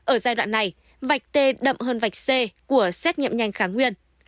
ở giai đoạn này vạch tê đậm hơn vạch c của xét nghiệm nhanh kháng nguyên